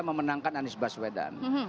memenangkan anies baswedan